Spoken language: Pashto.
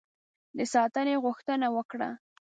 د ساتنې غوښتنه وکړه.